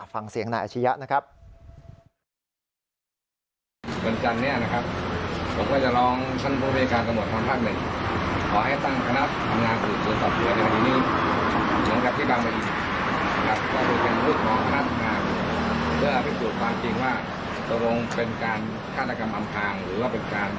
ฟังเสียงนายอาชียะนะครับ